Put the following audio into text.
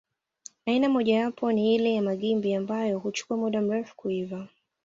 Aina mojawapo ni ile ya magimbi ambayo huchukua muda mrefu kuiva